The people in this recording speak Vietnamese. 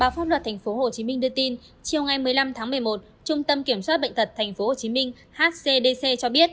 pháp luật tp hcm đưa tin chiều ngày một mươi năm tháng một mươi một trung tâm kiểm soát bệnh tật tp hcm hcdc cho biết